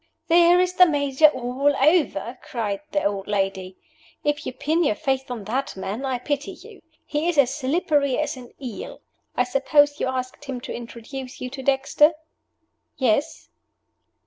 "There is the Major all over!" cried the old lady. "If you pin your faith on that man, I pity you. He is as slippery as an eel. I suppose you asked him to introduce you to Dexter?" "Yes."